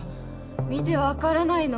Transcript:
見てわからないの？